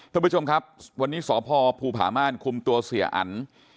ท่านผู้ชมครับวันนี้สพภูผาม่านคุมตัวเสียอัน